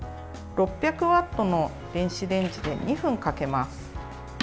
６００ワットの電子レンジで２分かけます。